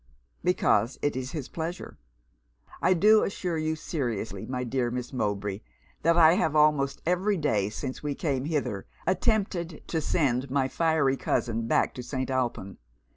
'Because it is his pleasure. I do assure you seriously, my dear Miss Mowbray, that I have almost every day since we came hither attempted to send my fiery cousin back to St. Alpin.